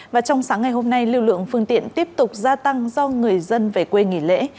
và trong sáng ngày hôm nay lưu lượng phương tiện tiếp tục gia tăng do người dân về quê nghỉ lễ